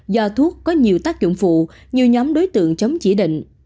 do thuốc có nhiều tác dụng phụ nhiều nhóm đối tượng chống chỉ định